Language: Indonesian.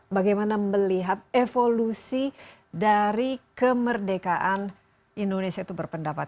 bagaimana melihat evolusi dari kemerdekaan indonesia itu berpendapat